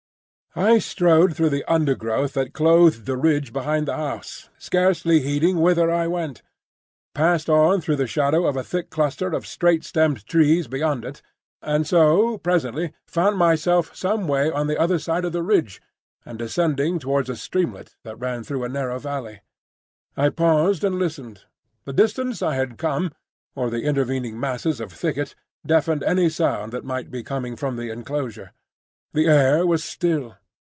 I strode through the undergrowth that clothed the ridge behind the house, scarcely heeding whither I went; passed on through the shadow of a thick cluster of straight stemmed trees beyond it, and so presently found myself some way on the other side of the ridge, and descending towards a streamlet that ran through a narrow valley. I paused and listened. The distance I had come, or the intervening masses of thicket, deadened any sound that might be coming from the enclosure. The air was still.